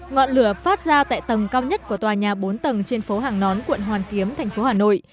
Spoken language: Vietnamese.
ngọn lửa phát ra tại tầng cao nhất của tòa nhà bốn tầng trên phố hàng nón quận hoàn kiếm thành phố hà nội